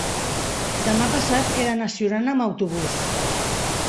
demà passat he d'anar a Siurana amb autobús.